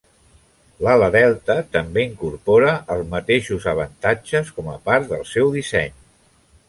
L'ala delta també incorpora els mateixos avantatges com a part del seu disseny.